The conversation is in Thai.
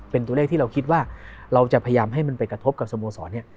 เป็นตัวเลขที่เราคิดว่าเราจะพยายามให้มันไปกระทบกับสโมสรเนี่ย